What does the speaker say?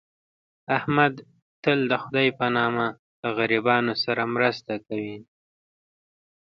احمد تل دخدی په نامه د غریبانو سره مرسته کوي.